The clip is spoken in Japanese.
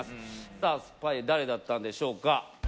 さあスパイ誰だったんでしょうか？